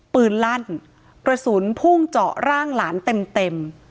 ลั่นกระสุนพุ่งเจาะร่างหลานเต็มเต็ม